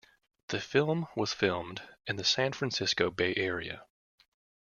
The film was filmed in the San Francisco Bay Area.